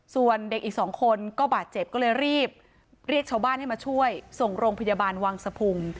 ส่วนเด็กอีกสองคนก็บาดเจ็บก็เลยรีบเรียกชาวบ้านให้มาช่วยส่งโรงพยาบาลวังสะพุง